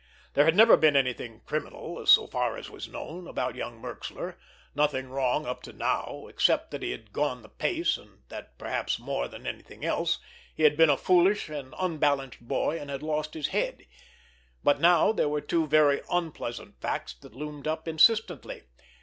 There had never been anything criminal, so far as was known, about young Merxler, nothing wrong up to now, except that he had gone the pace, and that, perhaps more than anything else, he had been a foolish and unbalanced boy and had lost his head; but now there were two very unpleasant facts that loomed up insistently.